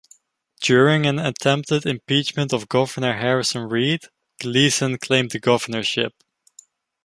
During an attempted impeachment of Governor Harrison Reed, Gleason claimed the Governorship.